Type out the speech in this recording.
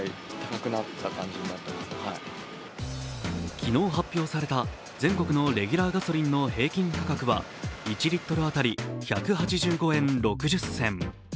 昨日発表された全国のレギュラーガソリンの平均価格は１リットル当たり１８５円６０銭。